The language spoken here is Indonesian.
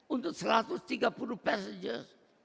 untuk satu ratus tiga puluh passeges